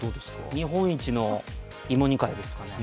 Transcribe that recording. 日本一の芋煮会ですかね。